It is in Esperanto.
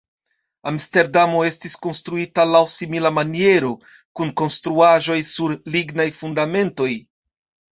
Amsterdamo estis konstruita laŭ simila maniero, kun konstruaĵoj sur lignaj fundamentoj.